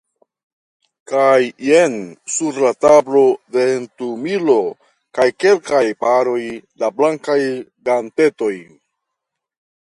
Kaj jen sur la tablo ventumilo kaj kelkaj paroj da blankaj gantetoj.